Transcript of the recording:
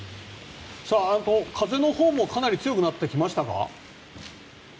風のほうもかなり強くなってきましたか？